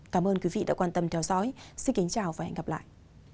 cảm ơn quý vị đã quan tâm theo dõi xin kính chào và hẹn gặp lại